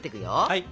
はい。